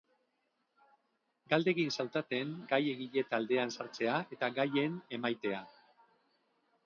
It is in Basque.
Galdegin zautaten gai-egile taldean sartzea eta gaien emaitea.